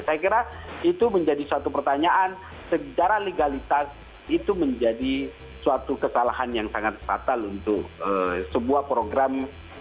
saya kira itu menjadi satu pertanyaan secara legalitas itu menjadi suatu kesalahan yang sangat fatal untuk sebuah program